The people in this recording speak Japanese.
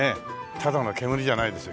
ただの煙じゃないですよ